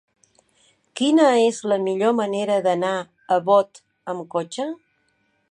Quina és la millor manera d'anar a Bot amb cotxe?